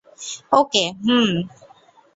ওকে, হুমম।